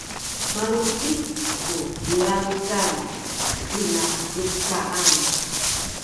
malubic ku nilangec tina mihcaan